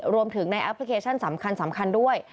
รวมถึงในแอปพลิเคชันสำคัญด้วย